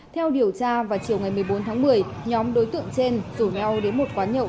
theo điều tra vào chiều ngày một mươi bốn tháng một mươi nhóm đối tượng trên rủ nhau đến một quán nhậu